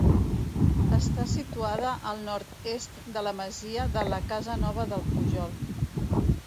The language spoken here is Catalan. Està situada al nord-est de la masia de La Casa Nova del Pujol.